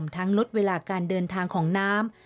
ลดเวลาการเดินทางของน้ำ